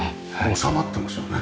収まってますよね。